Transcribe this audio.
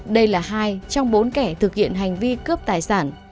đây là hai trong bốn kẻ thực hiện hành vi cướp tài sản